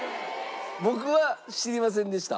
僕は知りませんでした。